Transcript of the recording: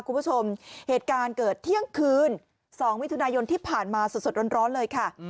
คุณผู้ชมเหตุการณ์เกิดเที่ยงคืน๒มิถุนายนที่ผ่านมาสดร้อนเลยค่ะ